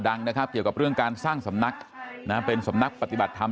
ดังนะครับเกี่ยวกับเรื่องการสร้างสำนักนะเป็นสำนักปฏิบัติธรรม